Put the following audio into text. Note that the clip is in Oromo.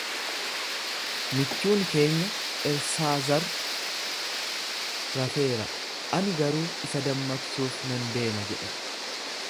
Michuun keenya Elsaazar rafeera, ani garuu isa dammaqsuuf nan deema jedhe.